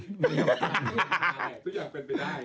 ทุกอย่างเป็นไปได้